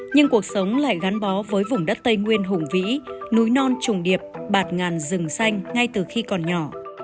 nhưng cuộc sống lại gắn bó với vùng đất tây nguyên hùng vĩ núi non trùng điệp bạt ngàn rừng xanh ngay từ khi còn nhỏ